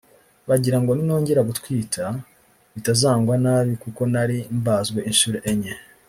bagira ngo ninongera gutwita bitazangwa nabi kuko nari mbazwe inshuro enye